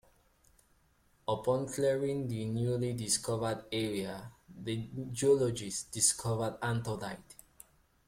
Upon clearing the newly discovered area, the geologist discovered anthodites.